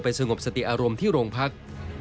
และควบคุมตัวไปสงบสติอารมณ์ที่โรงพักษณ์